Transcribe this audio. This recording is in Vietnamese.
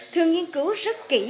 thường nghiên cứu rất kỹ